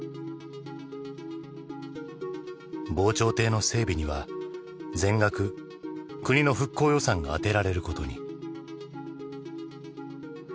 防潮堤の整備には全額国の復興予算が充てられることに。